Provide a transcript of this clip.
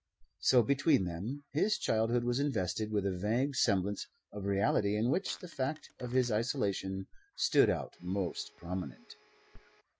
So between them his childhood was invested with a vague semblance of reality in which the fact of his isolation stood out most prominent.